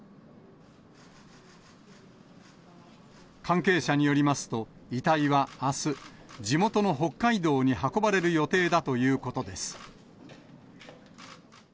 関係者によりますと、遺体はあす、地元の北海道に運ばれる予定だということです。